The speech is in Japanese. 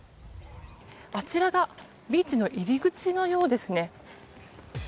あちらがビーチの入り口のようですね。